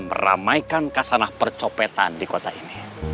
meramaikan kasanah percopetan di kota ini